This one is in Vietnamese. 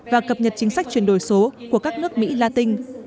và cập nhật chính sách chuyển đổi số của các nước mỹ la tinh